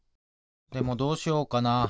でもどうしようかな。